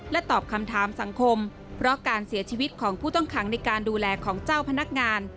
ตอบคำถามสังคมเพราะการเสียชีวิตของผู้ต้องขังในการดูแลของเจ้าพนักงาน